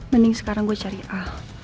mending sekarang gue cari a